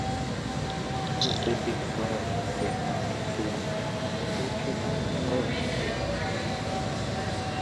Você tem sorte se não quiser o que não pode ter.